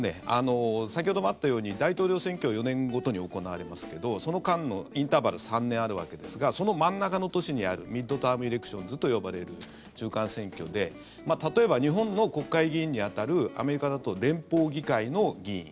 先ほどもあったように大統領選挙４年ごとに行われますけどその間のインターバルが３年あるわけですがその真ん中の年にあるミッドターム・エレクションズと呼ばれる中間選挙で例えば、日本の国会議員に当たるアメリカだと連邦議会の議員